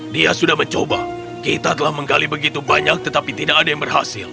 dia sudah mencoba kita telah menggali begitu banyak tetapi tidak ada yang berhasil